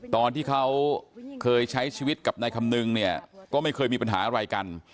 ตอนที่เขาเคยใช้ชีวิตกับนายคำนึงเนี่ยก็ไม่เคยมีปัญหาอะไรกัน